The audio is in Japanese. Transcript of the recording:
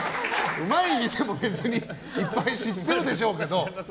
うまい店もいっぱい知ってるでしょうけど。